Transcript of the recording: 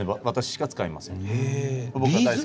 私しか使いません。